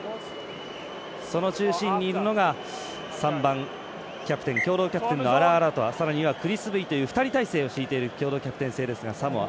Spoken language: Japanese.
その中心にいるのが３番、共同キャプテンのアラアラトアさらにはクリス・ブイという２人体制を敷いてるサモア。